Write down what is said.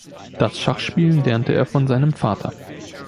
Das Schachspielen lernte er von seinem Vater.